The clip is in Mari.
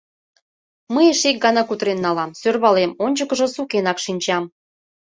Мый эше ик гана кутырен налам, сӧрвалем, ончыкыжо сукенак шинчам...